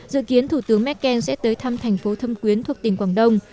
dự kiến thủ tướng merkel sẽ tới thăm thành phố thâm quyến thuộc tỉnh quảng đông